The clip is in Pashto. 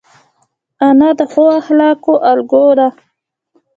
انا د ښو اخلاقو الګو ده